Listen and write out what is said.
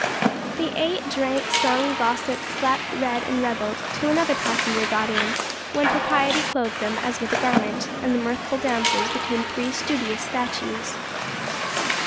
They ate, drank, sung, gossiped, slept, read, and revelled, till another passenger got in, when propriety clothed them as with a garment, and the mirthful damsels became three studious statues.